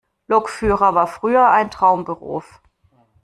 Lokführer war früher ein Traumberuf.